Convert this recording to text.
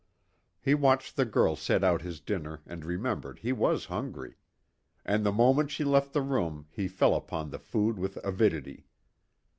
He watched the girl set out his dinner and remembered he was hungry. And the moment she left the room he fell upon the food with avidity.